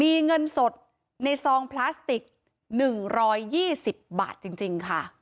มีเงินสดในซองพลาสติกหนึ่งร้อยยี่สิบบาทจริงจริงค่ะ